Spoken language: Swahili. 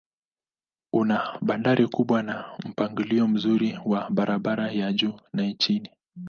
Una bandari kubwa na mpangilio mzuri wa barabara za juu na chini.